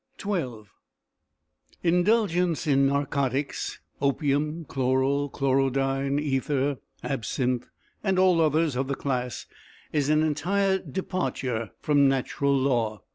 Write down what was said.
XII Indulgence in narcotics, opium, chloral, chlorodyne, ether, absinthe, and all others of the class, is an entire departure from natural law.